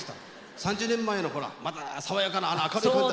３０年前のほらまだ爽やかなあの明るい感じ。